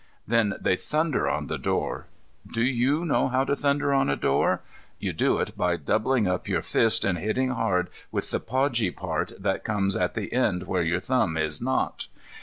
Then they thunder on the door. Do you know how to thunder on a door? You do it by doubling up your fist and hitting hard with the podgy part that comes at the end where your thumb is not.